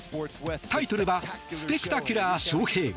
タイトルは「スペクタキュラー・ショウヘイ」。